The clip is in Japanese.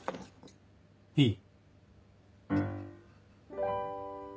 いい？